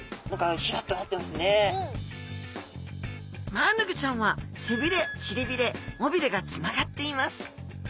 マアナゴちゃんは背びれしりびれ尾びれがつながっています。